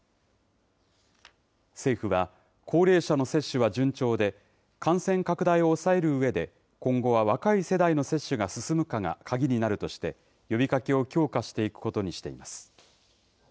政府は、高齢者の接種は順調で、感染拡大を抑えるうえで、今後は若い世代の接種が進むかが鍵になるとして、呼びかけを強化していくことにしています。